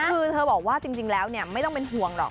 คือเธอบอกว่าจริงแล้วเนี่ยไม่ต้องเป็นห่วงหรอก